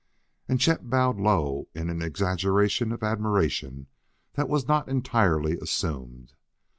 And Chet bowed low in an exaggeration of admiration that was not entirely assumed.